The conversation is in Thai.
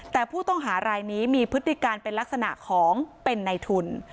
แต่ผู้ต้องหารายนี้มีพฤติการเป็นลักษณะของเป็นในทุน